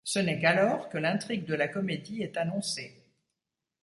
Ce n'est qu'alors que l'intrigue de la comédie est annoncée.